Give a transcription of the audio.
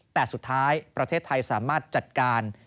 แต่สุดท้ายประเทศไทยสามารถจัดการ